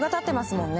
もんね